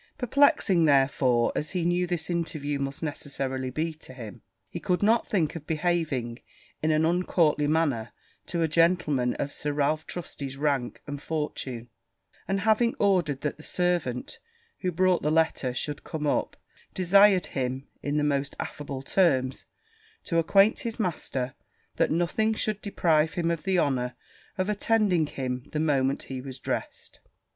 Perplexing, therefore, as he knew this interview must necessarily be to him, he could not think of behaving in an uncourtly manner to a gentleman of Sir Ralph Trusty's rank and fortune; and having ordered that the servant who brought the letter should come up, desired him, in the most affable terms, to acquaint his master that nothing should deprive him of the honour of attending him the moment he was dressed.